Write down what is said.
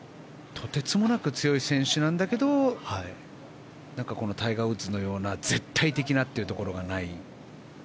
とてつもなく強い選手なんだけどタイガー・ウッズのような絶対的なってところがない。